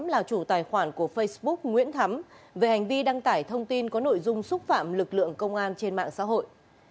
là chủ tài khoản của facebook nguyễn thắm về hành vi đăng tải thông tin có nội dung xúc phạm lực lượng công an trên mạng xã hội